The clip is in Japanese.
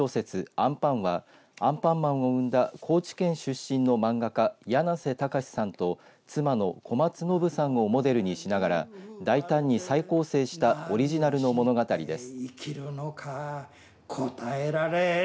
あんぱんはアンパンマンを生んだ高知県出身の漫画家やなせたかしさんと妻の小松暢さんをモデルにしながら大胆に再構成したオリジナルの物語です。